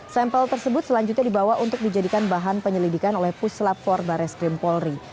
sampel tersebut selanjutnya dibawa untuk dijadikan bahan penyelidikan oleh pusselap for bareskrim polri